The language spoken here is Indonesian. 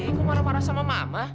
ibu marah marah sama mama